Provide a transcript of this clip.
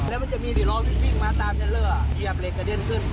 แล้วมันจะมีสีล้อที่วิ่งมาตามเทลเลอร์เหยียบเหล็กกระเด็นขึ้น